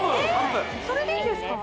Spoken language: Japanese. それでいいんですか！？